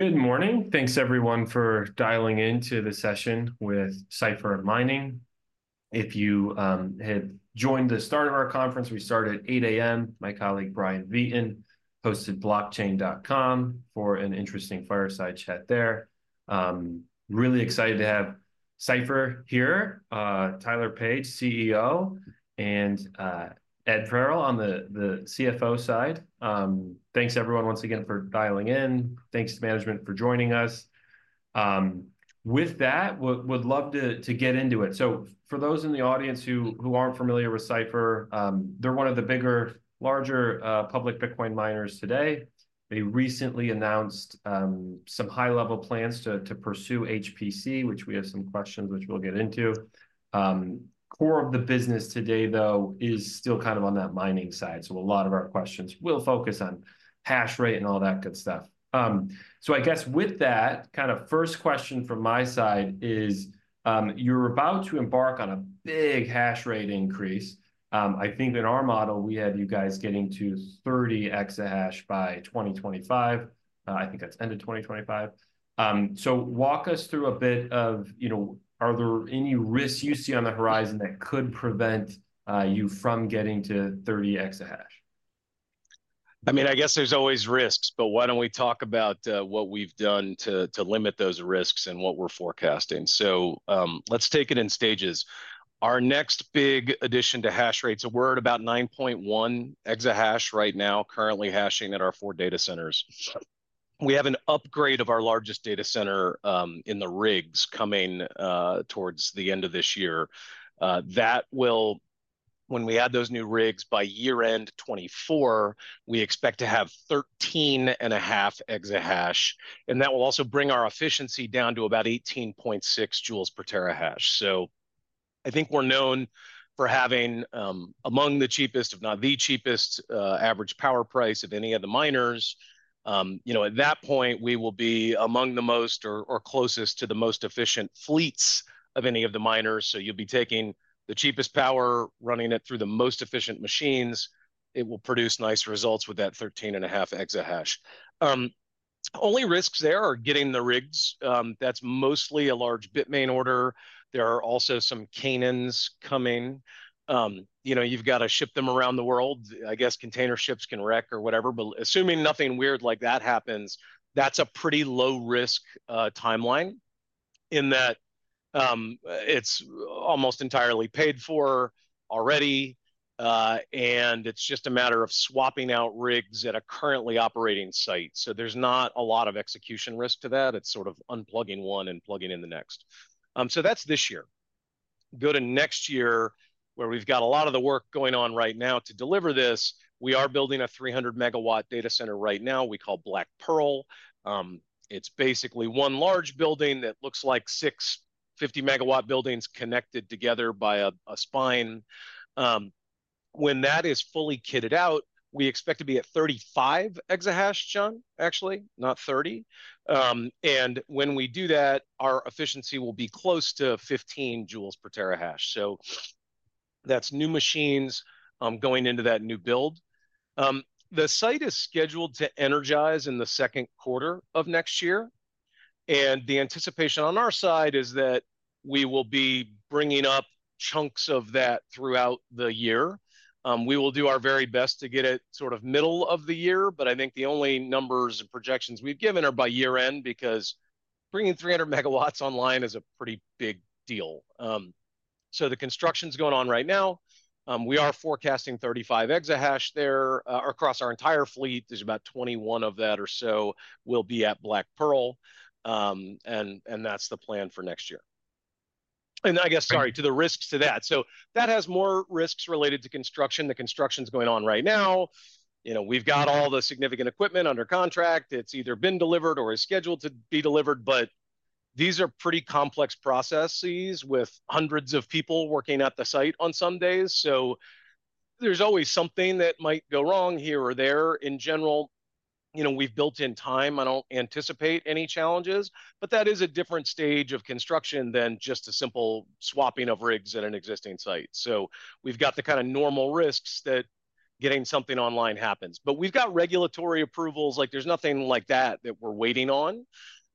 Good morning. Thanks, everyone, for dialing into the session with Cipher Mining. If you had joined the start of our conference, we started at 8:00 A.M. My colleague, Brian Wheaton, hosted Blockchain.com for an interesting fireside chat there. Really excited to have Cipher here. Tyler Page, CEO, and Ed Farrell on the CFO side. Thanks everyone once again for dialing in. Thanks to management for joining us. With that, would love to get into it. For those in the audience who aren't familiar with Cipher, they're one of the bigger, larger public Bitcoin miners today. They recently announced some high-level plans to pursue HPC, which we have some questions, which we'll get into. Core of the business today, though, is still kind of on that mining side, so a lot of our questions will focus on hash rate and all that good stuff. So I guess with that, kind of first question from my side is, you're about to embark on a big hash rate increase. I think in our model, we had you guys getting to 30 exahash by 2025. I think that's end of 2025. So walk us through a bit of, you know, are there any risks you see on the horizon that could prevent you from getting to 30 exahash? I mean, I guess there's always risks, but why don't we talk about what we've done to limit those risks and what we're forecasting? Let's take it in stages. Our next big addition to hash rate, so we're at about 9.1 exahash right now, currently hashing at our four data centers. We have an upgrade of our largest data center in the rigs coming towards the end of this year. That will when we add those new rigs by year-end 2024, we expect to have thirteen and a half exahash, and that will also bring our efficiency down to about eighteen point six joules per terahash. So I think we're known for having among the cheapest, if not the cheapest, average power price of any of the miners. You know, at that point, we will be among the most or closest to the most efficient fleets of any of the miners. So you'll be taking the cheapest power, running it through the most efficient machines. It will produce nice results with that thirteen and a half exahash. Only risks there are getting the rigs. That's mostly a large Bitmain order. There are also some Canaan coming. You know, you've got to ship them around the world. I guess container ships can wreck or whatever, but assuming nothing weird like that happens, that's a pretty low-risk timeline, in that, it's almost entirely paid for already, and it's just a matter of swapping out rigs at a currently operating site. So there's not a lot of execution risk to that. It's sort of unplugging one and plugging in the next. So that's this year. Go to next year, where we've got a lot of the work going on right now to deliver this. We are building a 300-megawatt data center right now we call Black Pearl. It's basically one large building that looks like six 50-megawatt buildings connected together by a spine. When that is fully kitted out, we expect to be at 35 exahash, John, actually, not 30. And when we do that, our efficiency will be close to 15 joules per terahash. So that's new machines going into that new build. The site is scheduled to energize in the second quarter of next year, and the anticipation on our side is that we will be bringing up chunks of that throughout the year. We will do our very best to get it sort of middle of the year, but I think the only numbers and projections we've given are by year-end, because bringing 300 megawatts online is a pretty big deal. So the construction's going on right now. We are forecasting 35 exahash there. Across our entire fleet, there's about 21 of that or so will be at Black Pearl, and that's the plan for next year. And I guess, sorry, to the risks to that. So that has more risks related to construction. The construction's going on right now. You know, we've got all the significant equipment under contract. It's either been delivered or is scheduled to be delivered, but these are pretty complex processes with hundreds of people working at the site on some days, so there's always something that might go wrong here or there. In general, you know, we've built in time. I don't anticipate any challenges, but that is a different stage of construction than just a simple swapping of rigs at an existing site. So we've got the kind of normal risks that getting something online happens. But we've got regulatory approvals, like, there's nothing like that, that we're waiting on.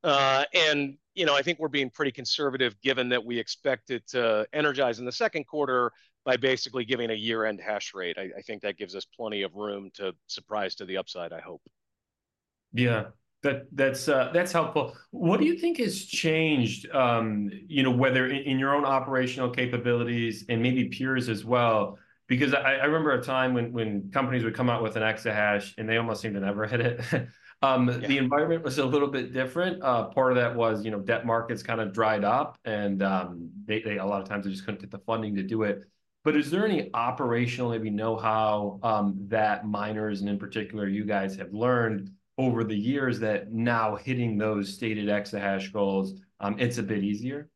And, you know, I think we're being pretty conservative, given that we expect it to energize in the second quarter by basically giving a year-end hash rate. I think that gives us plenty of room to surprise to the upside, I hope. Yeah. That's helpful. What do you think has changed, you know, whether in your own operational capabilities and maybe peers as well? Because I remember a time when companies would come out with an exahash, and they almost seemed to never hit it. Yeah ... the environment was a little bit different. Part of that was, you know, debt markets kind of dried up, and they a lot of times they just couldn't get the funding to do it. But is there any operational, maybe know-how, that miners and in particular you guys have learned over the years that now hitting those stated exahash goals, it's a bit easier?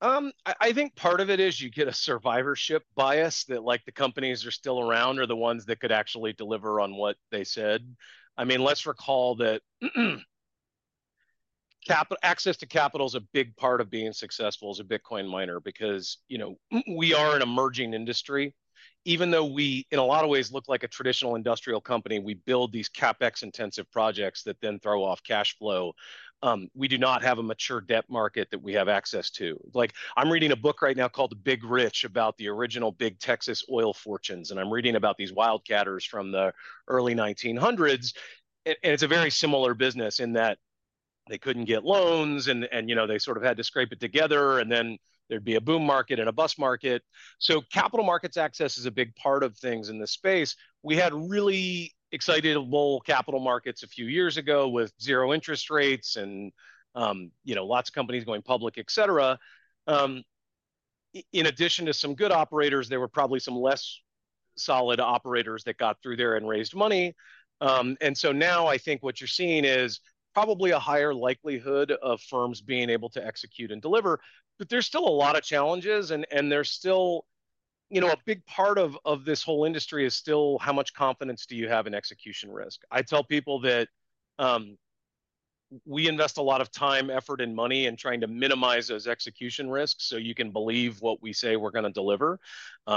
I think part of it is you get a survivorship bias that, like, the companies are still around are the ones that could actually deliver on what they said. I mean, let's recall that, access to capital is a big part of being successful as a Bitcoin miner, because, you know, we are an emerging industry. Even though we, in a lot of ways, look like a traditional industrial company, we build these CapEx-intensive projects that then throw off cash flow, we do not have a mature debt market that we have access to. Like, I'm reading a book right now called The Big Rich, about the original big Texas oil fortunes, and I'm reading about these wildcatters from the early 1900s, and it's a very similar business, in that they couldn't get loans and, you know, they sort of had to scrape it together, and then there'd be a boom market and a bust market. So capital markets access is a big part of things in this space. We had really excitable capital markets a few years ago, with zero interest rates and, you know, lots of companies going public, et cetera. In addition to some good operators, there were probably some less solid operators that got through there and raised money. And so now I think what you're seeing is probably a higher likelihood of firms being able to execute and deliver. But there's still a lot of challenges, and there's still... You know, a big part of this whole industry is still how much confidence do you have in execution risk? I tell people that, we invest a lot of time, effort, and money in trying to minimize those execution risks, so you can believe what we say we're gonna deliver.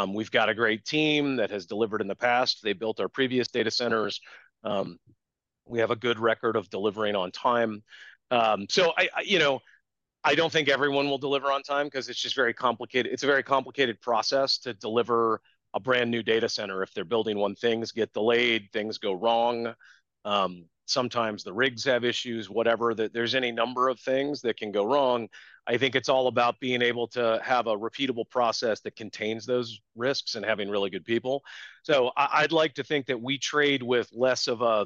We've got a great team that has delivered in the past. They built our previous data centers. We have a good record of delivering on time. So I, you know, I don't think everyone will deliver on time, 'cause it's just very complicated. It's a very complicated process to deliver a brand-new data center. If they're building one, things get delayed, things go wrong. Sometimes the rigs have issues, whatever, there's any number of things that can go wrong. I think it's all about being able to have a repeatable process that contains those risks, and having really good people. So I'd like to think that we trade with less of a,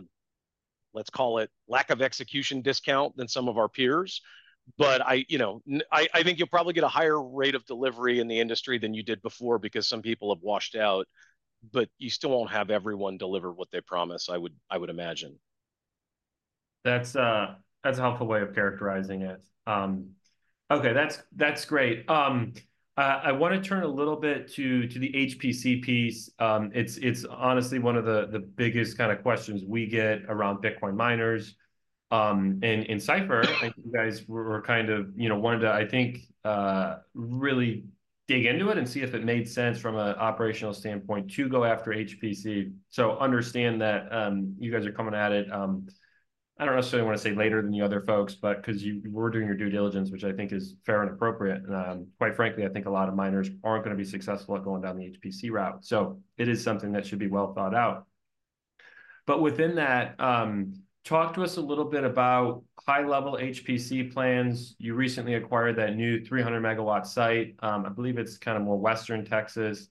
let's call it, lack of execution discount than some of our peers. But you know, I think you'll probably get a higher rate of delivery in the industry than you did before, because some people have washed out, but you still won't have everyone deliver what they promise. I would imagine. That's, that's a helpful way of characterizing it. Okay, that's, that's great. I wanna turn a little bit to, to the HPC piece. It's, it's honestly one of the, the biggest kind of questions we get around Bitcoin miners. And in Cipher, I think you guys were kind of, you know, wanted to, I think, really dig into it and see if it made sense from an operational standpoint to go after HPC. So understand that, you guys are coming at it, I don't necessarily want to say later than the other folks, but 'cause you- you were doing your due diligence, which I think is fair and appropriate. And, quite frankly, I think a lot of miners aren't gonna be successful at going down the HPC route. So it is something that should be well thought out. But within that, talk to us a little bit about high-level HPC plans. You recently acquired that new 300-megawatt site, I believe it's kind of more West Texas.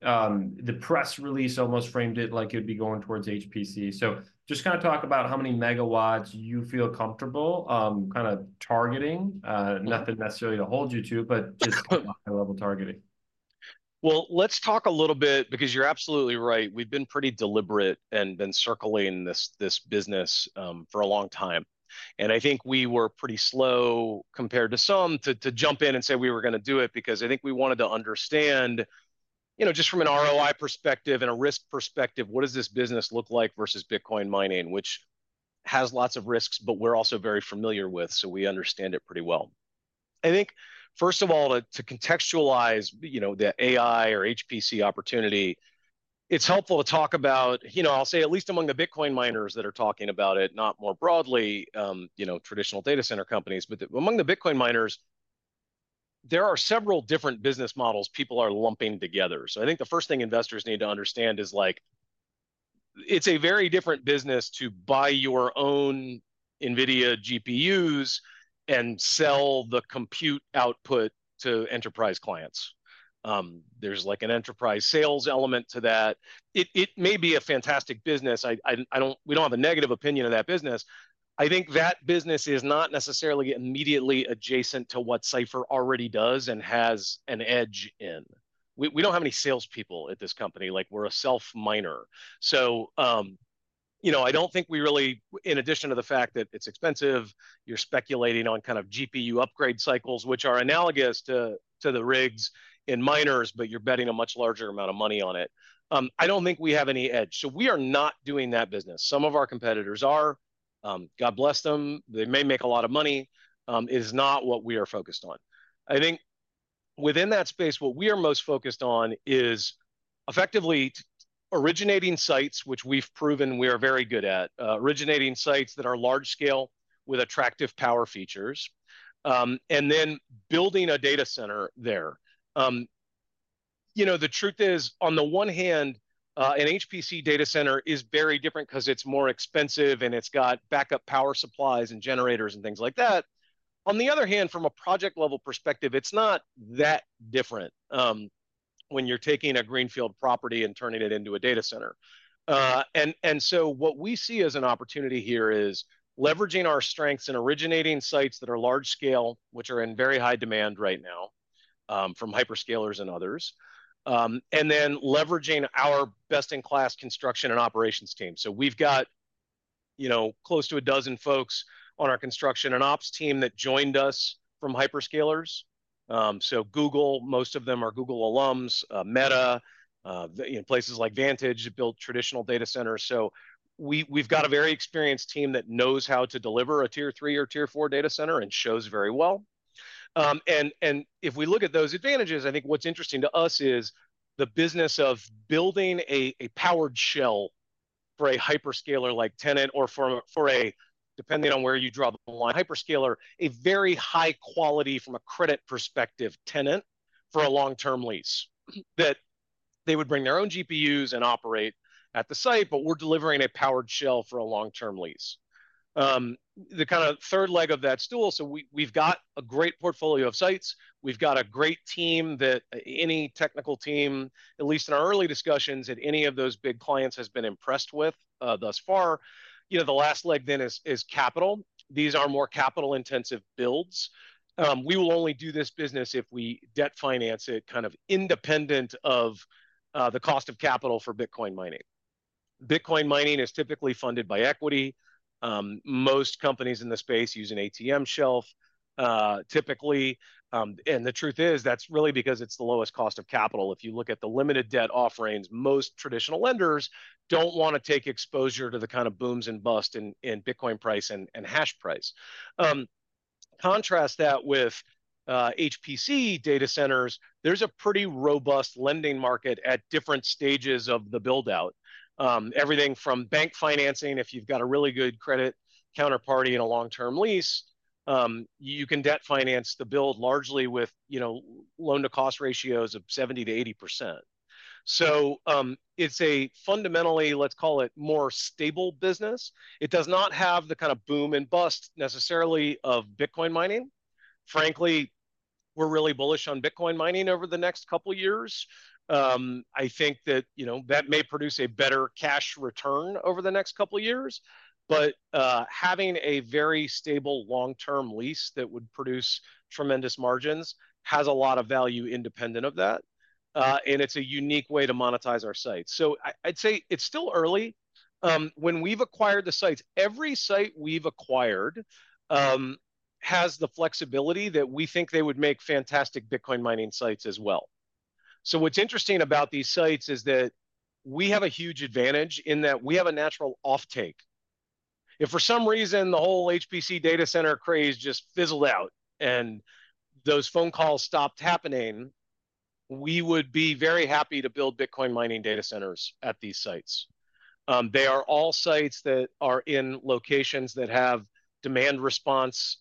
The press release almost framed it like you'd be going towards HPC. So just kind of talk about how many megawatts you feel comfortable, kind of targeting. Nothing necessarily to hold you to, but just high-level targeting. Let's talk a little bit, because you're absolutely right. We've been pretty deliberate and been circling this business for a long time. And I think we were pretty slow compared to some to jump in and say we were gonna do it, because I think we wanted to understand, you know, just from an ROI perspective and a risk perspective, what does this business look like versus Bitcoin mining, which has lots of risks, but we're also very familiar with, so we understand it pretty well. I think, first of all, to contextualize, you know, the AI or HPC opportunity, it's helpful to talk about. You know, I'll say, at least among the Bitcoin miners that are talking about it, not more broadly, you know, traditional data center companies, but among the Bitcoin miners, there are several different business models people are lumping together. So I think the first thing investors need to understand is, like, it's a very different business to buy your own NVIDIA GPUs and sell the compute output to enterprise clients. There's, like, an enterprise sales element to that. It may be a fantastic business. We don't have a negative opinion of that business. I think that business is not necessarily immediately adjacent to what Cipher already does and has an edge in. We don't have any salespeople at this company, like, we're a self miner. So, you know, I don't think we really... In addition to the fact that it's expensive, you're speculating on kind of GPU upgrade cycles, which are analogous to the rigs in miners, but you're betting a much larger amount of money on it. I don't think we have any edge, so we are not doing that business. Some of our competitors are, God bless them, they may make a lot of money. It is not what we are focused on. I think within that space, what we are most focused on is effectively originating sites, which we've proven we are very good at. Originating sites that are large scale, with attractive power features, and then building a data center there. You know, the truth is, on the one hand, an HPC data center is very different, 'cause it's more expensive, and it's got backup power supplies and generators, and things like that. On the other hand, from a project level perspective, it's not that different, when you're taking a greenfield property and turning it into a data center. What we see as an opportunity here is leveraging our strengths and originating sites that are large scale, which are in very high demand right now from hyperscalers and others, and then leveraging our best-in-class construction and operations team. So we've got, you know, close to a dozen folks on our construction and ops team that joined us from hyperscalers, so Google, most of them are Google alums, Meta, you know, places like Vantage that build traditional data centers. So we've got a very experienced team that knows how to deliver a tier three or tier four data center, and shows very well. And if we look at those advantages, I think what's interesting to us is the business of building a powered shell for a hyperscaler-like tenant, or for a, depending on where you draw the line, hyperscaler, a very high quality from a credit perspective tenant for a long-term lease. That they would bring their own GPUs and operate at the site, but we're delivering a powered shell for a long-term lease. The kind of third leg of that stool, so we've got a great portfolio of sites. We've got a great team that any technical team, at least in our early discussions, at any of those big clients has been impressed with, thus far. You know, the last leg then is capital. These are more capital-intensive builds. We will only do this business if we debt finance it, kind of independent of the cost of capital for Bitcoin mining. Bitcoin mining is typically funded by equity. Most companies in the space use an ATM shelf, typically, and the truth is, that's really because it's the lowest cost of capital. If you look at the limited debt offerings, most traditional lenders don't wanna take exposure to the kind of booms and bust in Bitcoin price and hash price. Contrast that with HPC data centers, there's a pretty robust lending market at different stages of the build-out. Everything from bank financing, if you've got a really good credit counterparty in a long-term lease, you can debt finance the build largely with, you know, loan-to-cost ratios of 70%-80%. So, it's a fundamentally, let's call it, more stable business. It does not have the kind of boom and bust necessarily of Bitcoin mining. Frankly, we're really bullish on Bitcoin mining over the next couple years. I think that, you know, that may produce a better cash return over the next couple years, but, having a very stable long-term lease that would produce tremendous margins has a lot of value independent of that. And it's a unique way to monetize our site. So I'd say it's still early. When we've acquired the sites, every site we've acquired, has the flexibility that we think they would make fantastic Bitcoin mining sites as well. So what's interesting about these sites is that we have a huge advantage in that we have a natural offtake. If for some reason the whole HPC data center craze just fizzled out, and those phone calls stopped happening, we would be very happy to build Bitcoin mining data centers at these sites. They are all sites that are in locations that have demand response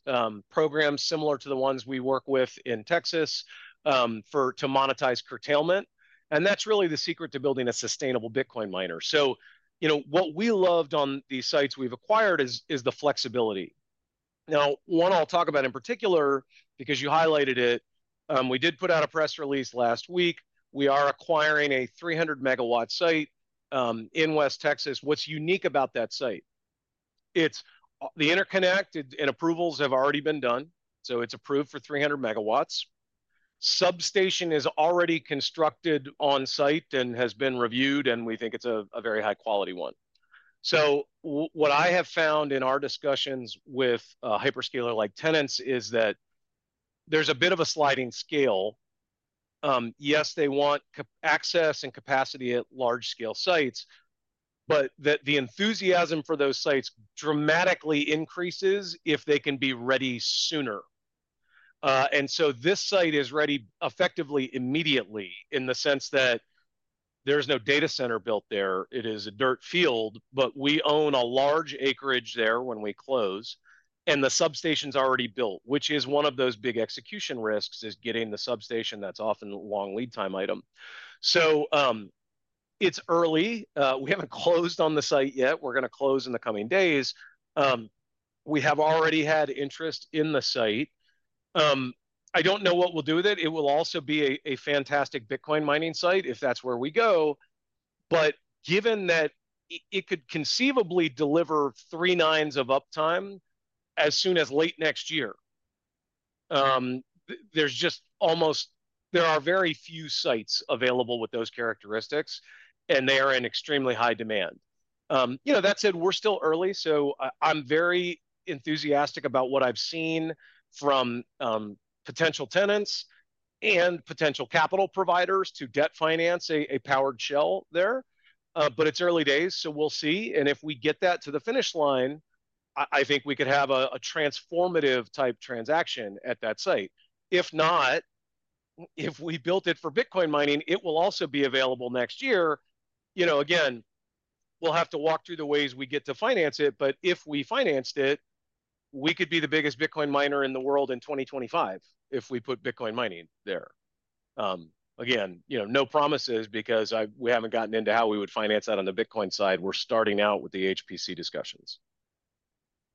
programs, similar to the ones we work with in Texas, to monetize curtailment, and that's really the secret to building a sustainable Bitcoin miner. So, you know, what we loved on these sites we've acquired is the flexibility. Now, one I'll talk about in particular, because you highlighted it, we did put out a press release last week. We are acquiring a 300-megawatt site in West Texas. What's unique about that site? It's the interconnect and approvals have already been done, so it's approved for 300 megawatts. Substation is already constructed on site and has been reviewed, and we think it's a very high quality one. So what I have found in our discussions with hyperscaler-like tenants is that there's a bit of a sliding scale. Yes, they want access and capacity at large-scale sites, but that the enthusiasm for those sites dramatically increases if they can be ready sooner. And so this site is ready effectively immediately, in the sense that there's no data center built there. It is a dirt field, but we own a large acreage there when we close, and the substation's already built, which is one of those big execution risks, is getting the substation. That's often a long lead time item. So it's early. We haven't closed on the site yet. We're gonna close in the coming days. We have already had interest in the site. I don't know what we'll do with it. It will also be a fantastic Bitcoin mining site, if that's where we go. But given that it could conceivably deliver three nines of uptime as soon as late next year, there's just almost... There are very few sites available with those characteristics, and they are in extremely high demand. You know, that said, we're still early, so I'm very enthusiastic about what I've seen from potential tenants and potential capital providers to debt finance a powered shell there. But it's early days, so we'll see, and if we get that to the finish line, I think we could have a transformative-type transaction at that site. If not, if we built it for Bitcoin mining, it will also be available next year. You know, again, we'll have to walk through the ways we get to finance it, but if we financed it, we could be the biggest Bitcoin miner in the world in 2025 if we put Bitcoin mining there. Again, you know, no promises, because we haven't gotten into how we would finance that on the Bitcoin side. We're starting out with the HPC discussions.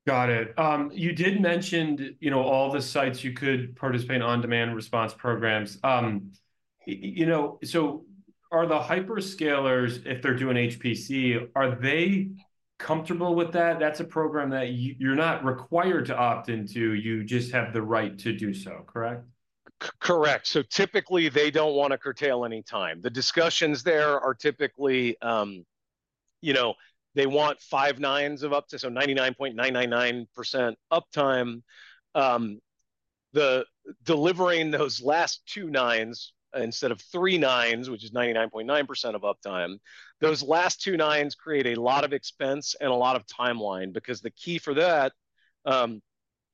Got it. You did mention, you know, all the sites you could participate in demand response programs. You know, so are the hyperscalers, if they're doing HPC, are they comfortable with that? That's a program that you're not required to opt into, you just have the right to do so, correct? Correct. Typically, they don't wanna curtail any time. The discussions there are typically, you know, they want five nines of uptime, so 99.999% uptime. The delivering those last two nines instead of three nines, which is 99.9% uptime, those last two nines create a lot of expense and a lot of timeline, because the key for that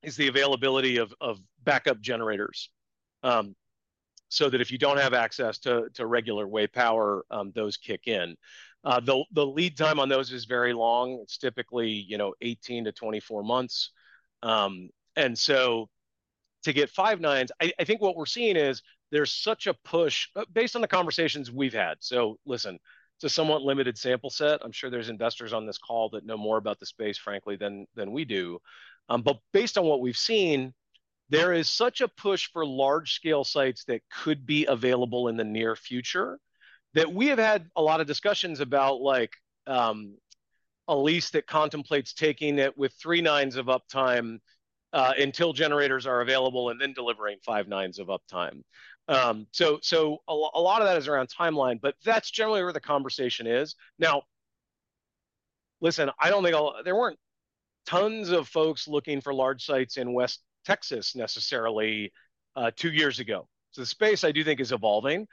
is the availability of backup generators. So that if you don't have access to regular way power, those kick in. The lead time on those is very long. It's typically, you know, 18-24 months. And so to get five nines, I think what we're seeing is there's such a push based on the conversations we've had. So listen, it's a somewhat limited sample set. I'm sure there's investors on this call that know more about the space, frankly, than we do. But based on what we've seen, there is such a push for large-scale sites that could be available in the near future, that we have had a lot of discussions about, like, a lease that contemplates taking it with three nines of uptime, until generators are available, and then delivering five nines of uptime. So a lot of that is around timeline, but that's generally where the conversation is. Now, listen, I don't think a lot. There weren't tons of folks looking for large sites in West Texas, necessarily, two years ago. So the space, I do think, is evolving.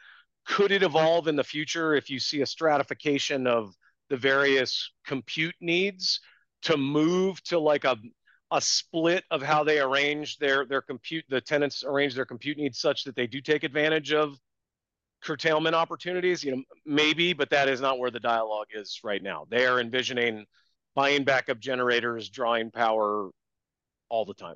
Could it evolve in the future if you see a stratification of the various compute needs to move to, like, a split of how they arrange their compute needs, such that they do take advantage of curtailment opportunities? You know, maybe, but that is not where the dialogue is right now. They are envisioning buying backup generators, drawing power all the time.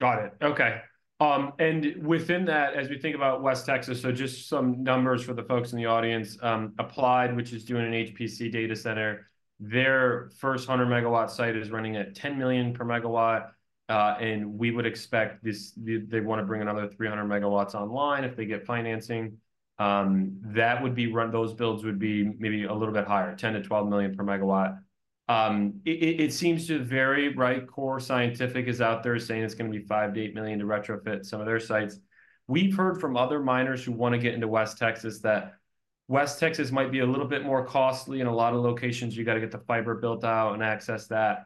Got it. Okay. And within that, as we think about West Texas, so just some numbers for the folks in the audience. Applied, which is doing an HPC data center, their first 100-megawatt site is running at $10 million per megawatt, and we would expect this, they want to bring another 300 megawatts online if they get financing. That would be, those builds would be maybe a little bit higher, $10-$12 million per megawatt. It seems to vary, right? Core Scientific is out there saying it's gonna be $5-$8 million to retrofit some of their sites. We've heard from other miners who wanna get into West Texas, that West Texas might be a little bit more costly. In a lot of locations, you gotta get the fiber built out and access that.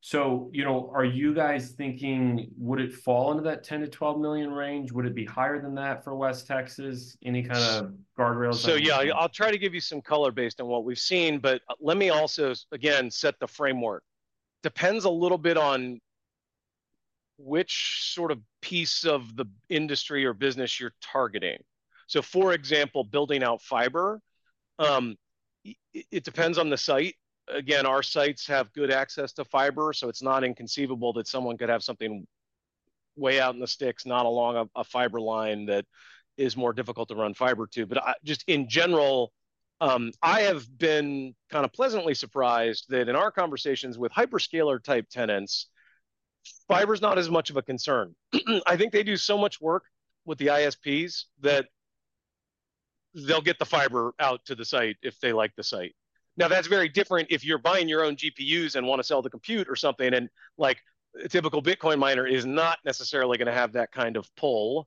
So, you know, are you guys thinking, would it fall into that $10-$12 million range? Would it be higher than that for West Texas? Any kind of guardrails? So yeah, I'll try to give you some color based on what we've seen, but let me also, again, set the framework. Depends a little bit on which sort of piece of the industry or business you're targeting. So, for example, building out fiber, it depends on the site. Again, our sites have good access to fiber, so it's not inconceivable that someone could have something way out in the sticks, not along a fiber line that is more difficult to run fiber to. But I just in general, I have been kind of pleasantly surprised that in our conversations with hyperscaler-type tenants, fiber's not as much of a concern. I think they do so much work with the ISPs, that they'll get the fiber out to the site if they like the site. Now, that's very different if you're buying your own GPUs and want to sell the compute or something, and like, a typical Bitcoin miner is not necessarily gonna have that kind of pull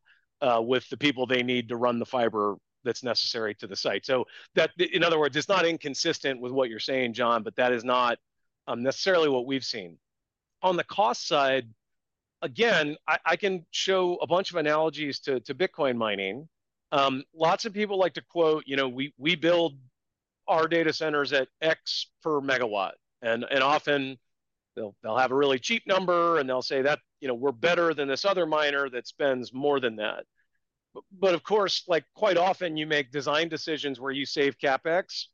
with the people they need to run the fiber that's necessary to the site. So that, in other words, it's not inconsistent with what you're saying, John, but that is not necessarily what we've seen. On the cost side, again, I can show a bunch of analogies to Bitcoin mining. Lots of people like to quote, "You know, we build our data centers at X per megawatt." And often they'll have a really cheap number, and they'll say that, "You know, we're better than this other miner that spends more than that." But of course, like, quite often, you make design decisions where you save CapEx,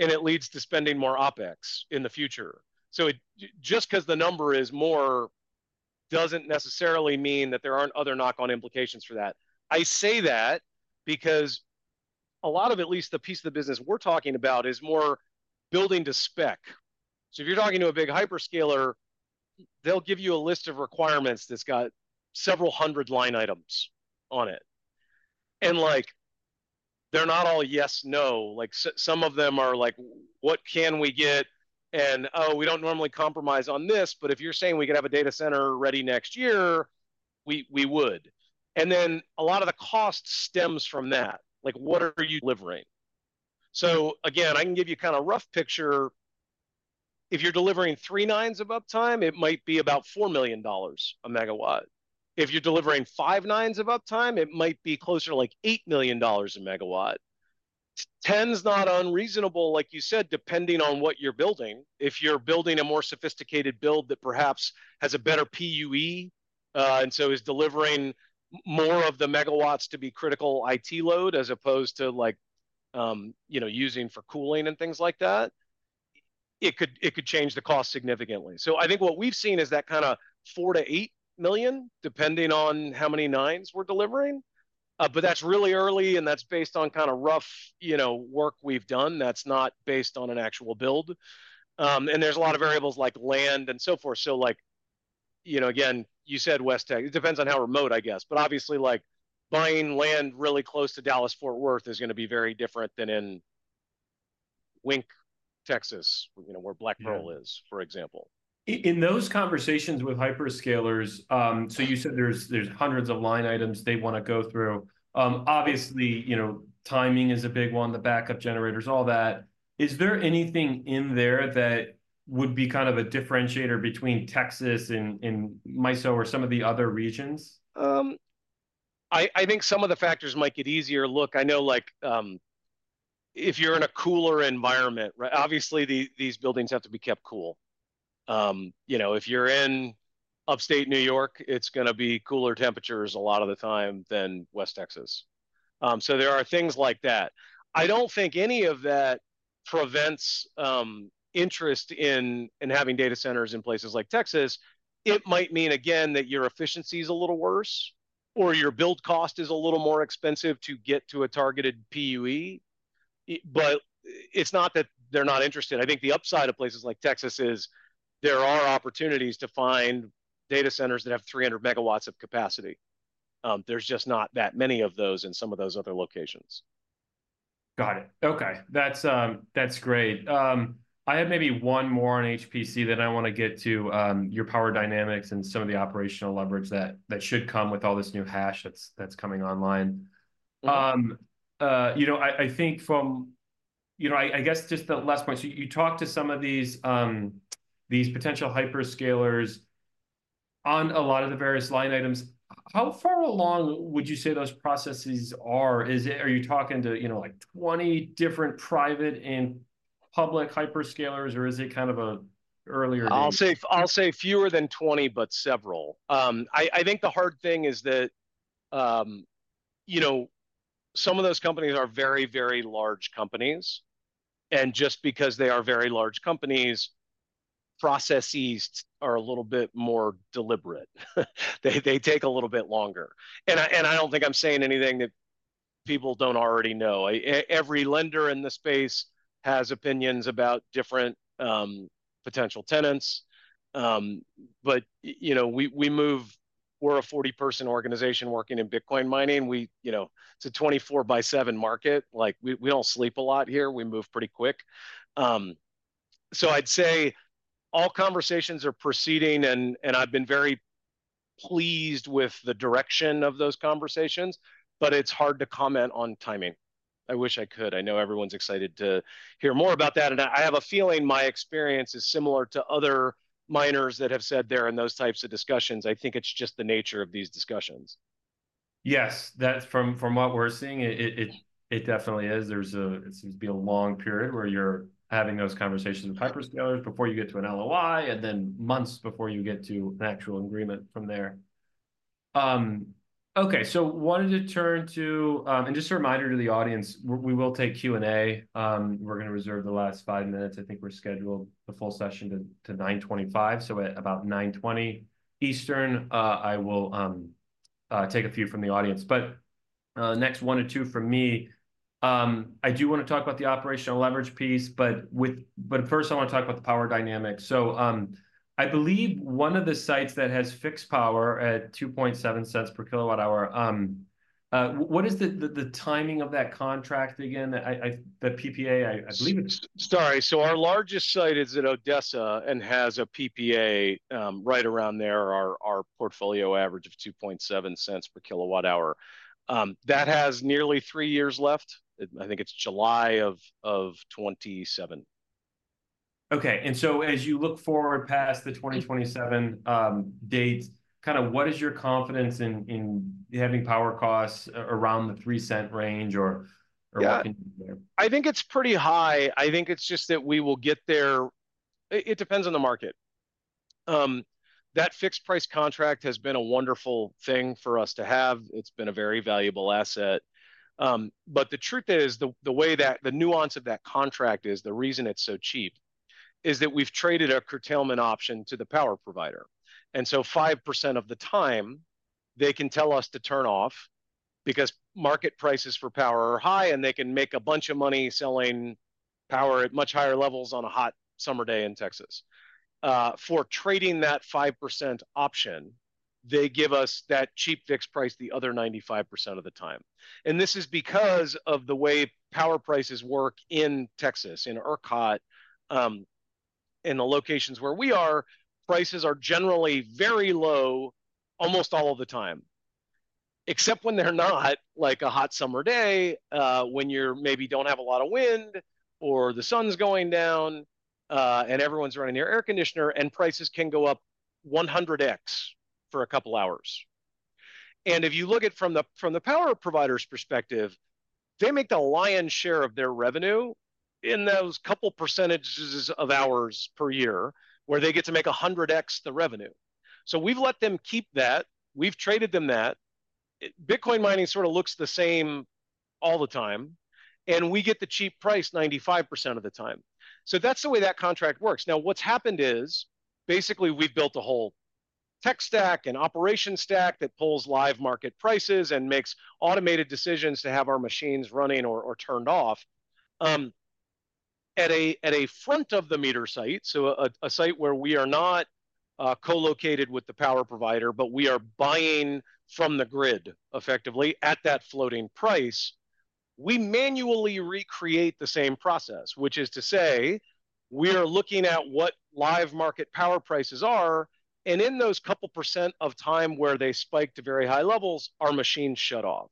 and it leads to spending more OpEx in the future. So it just 'cause the number is more, doesn't necessarily mean that there aren't other knock-on implications for that. I say that because a lot of, at least the piece of the business we're talking about, is more building to spec. So if you're talking to a big hyperscaler, they'll give you a list of requirements that's got several hundred line items on it. And, like, they're not all yes, no. Like, some of them are like, "What can we get?" And, "Oh, we don't normally compromise on this, but if you're saying we could have a data center ready next year, we would." And then, a lot of the cost stems from that. Like, what are you delivering? So again, I can give you a kind of rough picture. If you're delivering three nines of uptime, it might be about $4 million a megawatt. If you're delivering five nines of uptime, it might be closer to, like, $8 million a megawatt. Ten's not unreasonable, like you said, depending on what you're building. If you're building a more sophisticated build that perhaps has a better PUE, and so is delivering more of the megawatts to be critical IT load as opposed to like, you know, using for cooling and things like that, it could change the cost significantly. So I think what we've seen is that kind of $4-$8 million, depending on how many nines we're delivering. But that's really early, and that's based on kind of rough, you know, work we've done. That's not based on an actual build. And there's a lot of variables, like land and so forth. So like, you know, again, you said West Texas, it depends on how remote, I guess, but obviously, like, buying land really close to Dallas-Fort Worth is gonna be very different than in Wink, Texas, you know, where Black Pearl is- Yeah... for example.... In those conversations with hyperscalers, so you said there's hundreds of line items they wanna go through. Obviously, you know, timing is a big one, the backup generators, all that. Is there anything in there that would be kind of a differentiator between Texas and MISO or some of the other regions? I think some of the factors make it easier. Look, I know, like, if you're in a cooler environment, right, obviously, these buildings have to be kept cool. You know, if you're in Upstate New York, it's gonna be cooler temperatures a lot of the time than West Texas. So there are things like that. I don't think any of that prevents interest in having data centers in places like Texas. It might mean, again, that your efficiency's a little worse or your build cost is a little more expensive to get to a targeted PUE, but it's not that they're not interested. I think the upside of places like Texas is there are opportunities to find data centers that have 300 megawatts of capacity. There's just not that many of those in some of those other locations. Got it. Okay, that's great. I have maybe one more on HPC, then I want to get to your power dynamics and some of the operational leverage that should come with all this new hash that's coming online. You know, I think from... You know, I guess just the last point. So you talked to some of these potential hyperscalers on a lot of the various line items. How far along would you say those processes are? Are you talking to, you know, like, 20 different private and public hyperscalers, or is it kind of a earlier date? I'll say, I'll say fewer than 20, but several. I think the hard thing is that, you know, some of those companies are very, very large companies, and just because they are very large companies, processes are a little bit more deliberate. They take a little bit longer. And I don't think I'm saying anything that people don't already know. Every lender in the space has opinions about different potential tenants. But you know, we move. We're a 40-person organization working in Bitcoin mining. We, you know, it's a 24 by 7 market. Like, we don't sleep a lot here. We move pretty quick. So I'd say all conversations are proceeding, and I've been very pleased with the direction of those conversations, but it's hard to comment on timing. I wish I could. I know everyone's excited to hear more about that, and I have a feeling my experience is similar to other miners that have said they're in those types of discussions. I think it's just the nature of these discussions. Yes. That's from what we're seeing, it definitely is. It seems to be a long period where you're having those conversations with hyperscalers before you get to an LOI, and then months before you get to an actual agreement from there. Okay, so wanted to turn to, and just a reminder to the audience, we will take Q&A. We're gonna reserve the last five minutes. I think we're scheduled, the full session, to 9:25 A.M., so at about 9:20 A.M. Eastern, I will take a few from the audience, but next one or two from me. I do wanna talk about the operational leverage piece, but first, I want to talk about the power dynamics. I believe one of the sites that has fixed power at $0.027 per kilowatt hour. What is the timing of that contract again? I, the PPA. I believe it's- So our largest site is in Odessa and has a PPA, right around there, our portfolio average of $0.027 per kilowatt hour. That has nearly three years left. I think it's July of 2027. Okay, and so as you look forward past the 2027 date, kind of what is your confidence in having power costs around the $0.03 range, or- Yeah... or what can you get? I think it's pretty high. I think it's just that we will get there. It depends on the market. That fixed price contract has been a wonderful thing for us to have. It's been a very valuable asset. But the truth is, the way that, the nuance of that contract is, the reason it's so cheap, is that we've traded a curtailment option to the power provider. And so 5% of the time, they can tell us to turn off because market prices for power are high, and they can make a bunch of money selling power at much higher levels on a hot summer day in Texas. For trading that 5% option, they give us that cheap fixed price the other 95% of the time, and this is because of the way power prices work in Texas, in ERCOT. In the locations where we are, prices are generally very low almost all of the time, except when they're not, like a hot summer day, when you maybe don't have a lot of wind or the sun's going down, and everyone's running their air conditioner, and prices can go up 100X for a couple hours. If you look at from the power provider's perspective, they make the lion's share of their revenue in those couple percentages of hours per year, where they get to make 100X the revenue. We've let them keep that. We've traded them that. Bitcoin mining sort of looks the same all the time, and we get the cheap price 95% of the time. That's the way that contract works. Now, what's happened is, basically, we've built a whole tech stack and operation stack that pulls live market prices and makes automated decisions to have our machines running or turned off. At a front-of-the-meter site, so a site where we are not co-located with the power provider, but we are buying from the grid, effectively, at that floating price, we manually recreate the same process, which is to say, we are looking at what live market power prices are, and in those couple percent of time where they spike to very high levels, our machines shut off.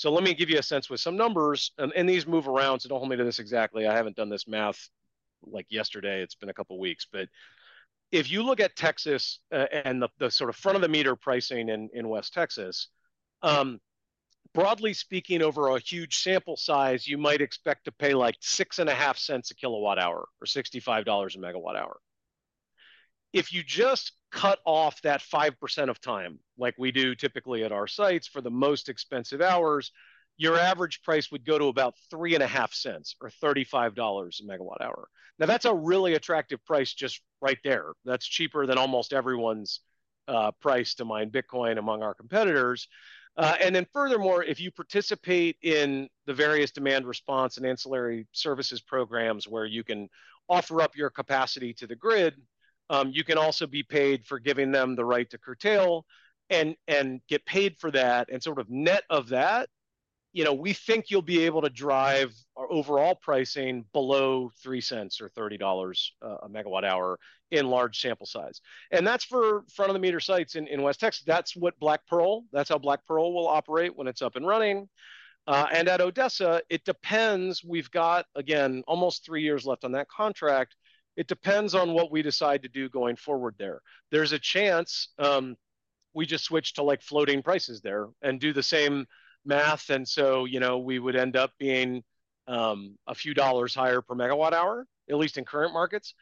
So let me give you a sense with some numbers, and these move around, so don't hold me to this exactly. I haven't done this math like yesterday, it's been a couple of weeks. But if you look at Texas, and the sort of front-of-the-meter pricing in West Texas, broadly speaking, over a huge sample size, you might expect to pay, like, $0.065 a kilowatt hour or $65 a megawatt hour. If you just cut off that 5% of time, like we do typically at our sites for the most expensive hours, your average price would go to about $0.035 or $35 a megawatt hour. Now, that's a really attractive price just right there. That's cheaper than almost everyone's price to mine Bitcoin among our competitors. And then furthermore, if you participate in the various demand response and ancillary services programs, where you can offer up your capacity to the grid, you can also be paid for giving them the right to curtail and get paid for that. And sort of net of that, you know, we think you'll be able to drive our overall pricing below $0.03 or $30 a megawatt hour in large sample size. And that's for front-of-the-meter sites in West Texas. That's what Black Pearl - that's how Black Pearl will operate when it's up and running. And at Odessa, it depends. We've got, again, almost three years left on that contract. It depends on what we decide to do going forward there. There's a chance we just switch to, like, floating prices there and do the same math. And so, you know, we would end up being a few dollars higher per megawatt hour, at least in current markets.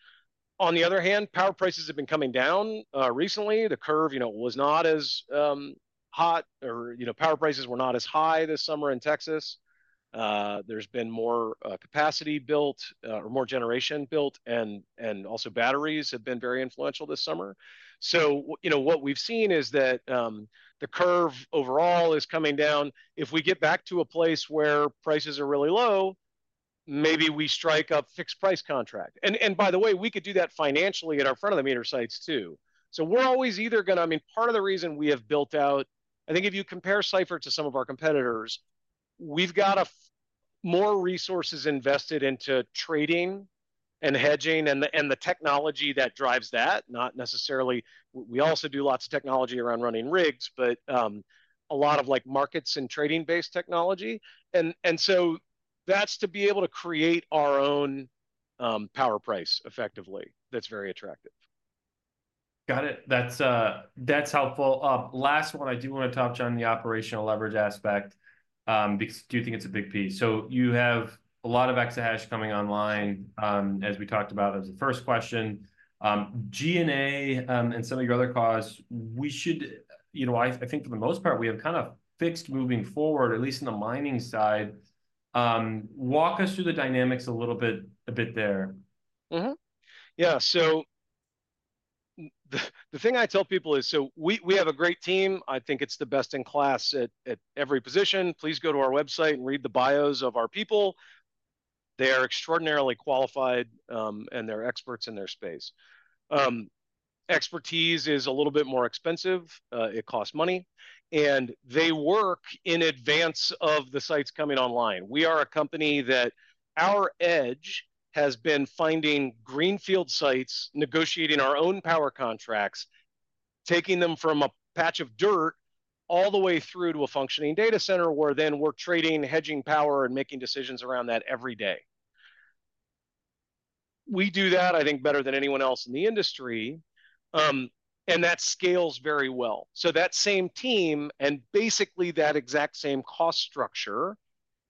On the other hand, power prices have been coming down recently. The curve, you know, was not as hot or, you know, power prices were not as high this summer in Texas. There's been more capacity built or more generation built, and also batteries have been very influential this summer. So you know, what we've seen is that the curve overall is coming down. If we get back to a place where prices are really low, maybe we strike a fixed price contract. And by the way, we could do that financially at our front-of-the-meter sites too. So we're always either gonna, I mean, part of the reason we have built out... I think if you compare Cipher to some of our competitors, we've got far more resources invested into trading and hedging and the, and the technology that drives that, not necessarily, we also do lots of technology around running rigs, but, a lot of, like, markets and trading-based technology. And so that's to be able to create our own, power price effectively. That's very attractive. Got it. That's helpful. Last one, I do wanna touch on the operational leverage aspect, because I do think it's a big piece. So you have a lot of exahash coming online, as we talked about as the first question. G&A, and some of your other costs, we should, you know, I think for the most part, we have kind of fixed moving forward, at least in the mining side. Walk us through the dynamics a little bit there. Yeah, so the thing I tell people is, so we have a great team. I think it's the best in class at every position. Please go to our website and read the bios of our people. They are extraordinarily qualified, and they're experts in their space. Expertise is a little bit more expensive, it costs money, and they work in advance of the sites coming online. We are a company that our edge has been finding greenfield sites, negotiating our own power contracts, taking them from a patch of dirt all the way through to a functioning data center, where then we're trading, hedging power, and making decisions around that every day. We do that, I think, better than anyone else in the industry, and that scales very well. So that same team, and basically, that exact same cost structure,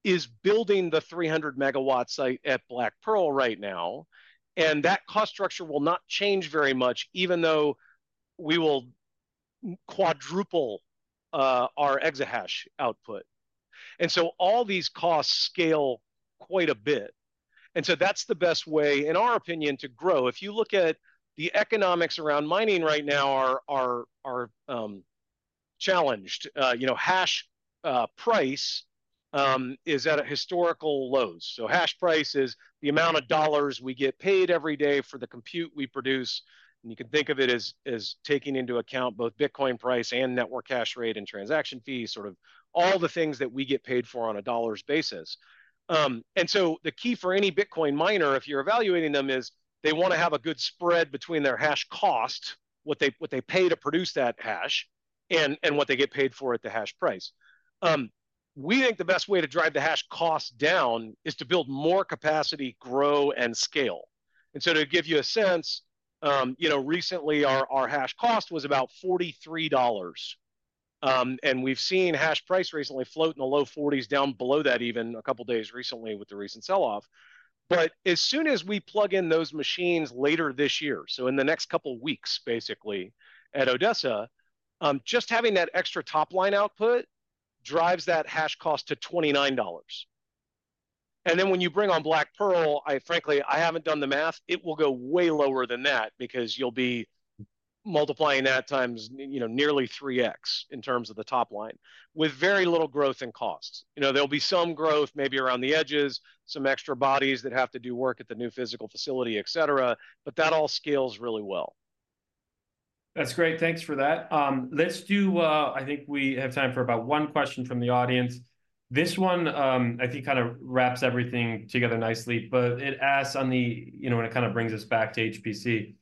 is building the 300-megawatt site at Black Pearl right now, and that cost structure will not change very much, even though we will quadruple our exahash output. And so all these costs scale quite a bit, and so that's the best way, in our opinion, to grow. If you look at the economics around mining right now are challenged. You know, hash price is at a historical lows. So hash price is the amount of dollars we get paid every day for the compute we produce, and you can think of it as taking into account both Bitcoin price and network hash rate and transaction fees, sort of all the things that we get paid for on a dollars basis. And so the key for any Bitcoin miner, if you're evaluating them, is they wanna have a good spread between their hash cost, what they pay to produce that hash, and what they get paid for it, the hash price. We think the best way to drive the hash cost down is to build more capacity, grow, and scale. And so to give you a sense, you know, recently, our hash cost was about $43. And we've seen hash price recently float in the low $40s, down below that even a couple of days recently with the recent sell-off. But as soon as we plug in those machines later this year, so in the next couple of weeks, basically, at Odessa, just having that extra top-line output drives that hash cost to $29. When you bring on Black Pearl, I frankly, I haven't done the math. It will go way lower than that because you'll be multiplying that times, you know, nearly three X in terms of the top line, with very little growth in costs. You know, there'll be some growth, maybe around the edges, some extra bodies that have to do work at the new physical facility, et cetera, but that all scales really well. ... That's great. Thanks for that. Let's do. I think we have time for about one question from the audience. This one, I think kind of wraps everything together nicely, but it asks on the, you know, and it kind of brings us back to HPC.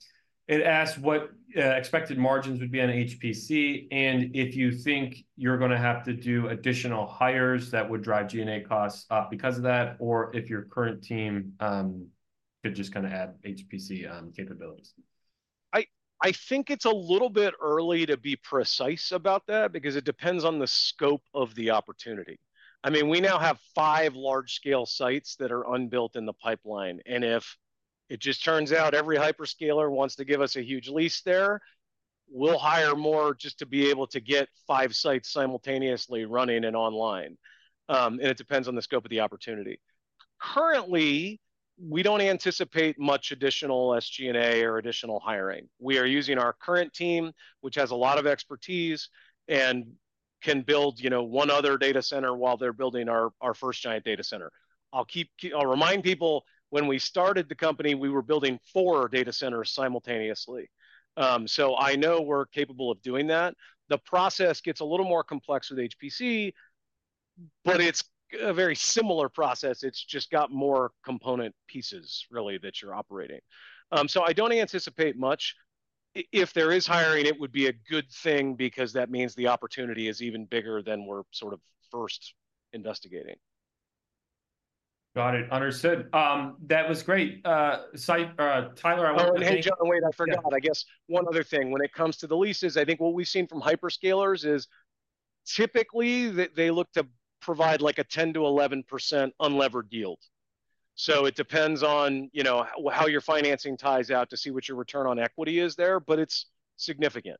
It asks what expected margins would be on HPC, and if you think you're gonna have to do additional hires that would drive G&A costs up because of that, or if your current team could just kind of add HPC capabilities. I think it's a little bit early to be precise about that because it depends on the scope of the opportunity. I mean, we now have five large-scale sites that are unbuilt in the pipeline, and if it just turns out every hyperscaler wants to give us a huge lease there, we'll hire more just to be able to get five sites simultaneously running and online. And it depends on the scope of the opportunity. Currently, we don't anticipate much additional SG&A or additional hiring. We are using our current team, which has a lot of expertise, and can build, you know, one other data center while they're building our first giant data center. I'll remind people, when we started the company, we were building four data centers simultaneously. So I know we're capable of doing that. The process gets a little more complex with HPC, but it's a very similar process. It's just got more component pieces, really, that you're operating. So I don't anticipate much. If there is hiring, it would be a good thing because that means the opportunity is even bigger than we're sort of first investigating. Got it. Understood. That was great. Tyler, I want to thank- Oh, and hey, John, wait, I forgot- Yeah... I guess one other thing. When it comes to the leases, I think what we've seen from hyperscalers is typically, they, they look to provide, like, a 10%-11% unlevered yield. So it depends on, you know, how your financing ties out to see what your return on equity is there, but it's significant.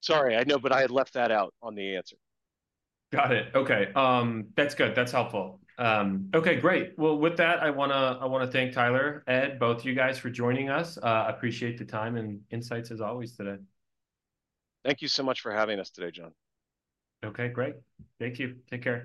Sorry, I know, but I had left that out on the answer. Got it. Okay. That's good. That's helpful. Okay, great. With that, I wanna thank Tyler, Ed, both you guys for joining us. Appreciate the time and insights as always today. Thank you so much for having us today, John. Okay, great. Thank you. Take care.